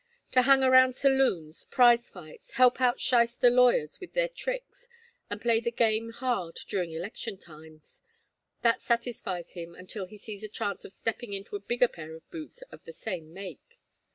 To hang around saloons, prize fights, help out shyster lawyers with their tricks, and play the game hard during election times that satisfies him until he sees a chance of stepping into a bigger pair of boots of the same make.